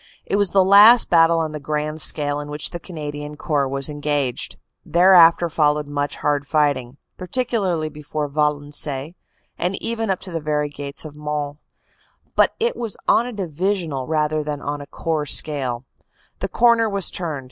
It was the last battle on the grand scale in which the Canadian Corps was engaged. Thereafter followed much hard fighting, particularly before Valen ciennes, and even up to the very gates of Mons, but it was on a Divisional rather than on a Corps scale. The corner was turned.